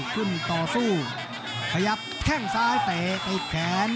ขึ้นต่อสู้ขยับแข้งซ้ายเตะติดแขน